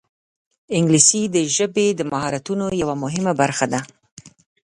انګلیسي د ژبې د مهارتونو یوه مهمه برخه ده